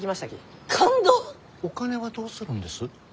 お金はどうするんです？